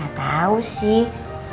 gak tau sih